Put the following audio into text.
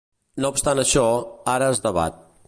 No obstant això, ara es debat.